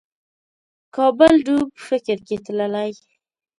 کابل ډوب فکر کې تللی